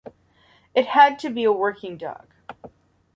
It had to be a working dog.